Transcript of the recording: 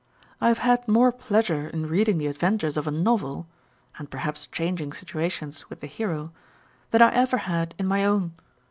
I have had more pleasure in reading the adventures of a novel (and perhaps changing situations with the hero) than I ever had in my own.